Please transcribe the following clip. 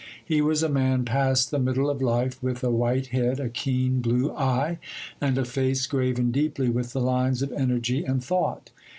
He was a man past the middle of life, with a white head, a keen blue eye, and a face graven deeply with the lines of energy and thought.